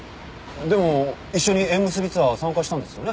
でも一緒に縁結びツアー参加したんですよね？